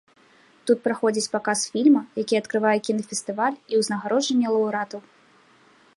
Тут праходзіць паказ фільма, які адкрывае кінафестываль, і ўзнагароджанне лаўрэатаў.